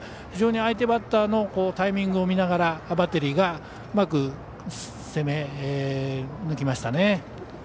非常に相手バッターのタイミングを見ながらバッテリーがうまく攻め抜きましたね。